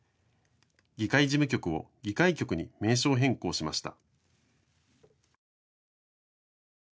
議会事務局を議会局に名称変更しました。